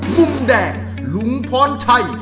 มุมแดงลุงพรชัย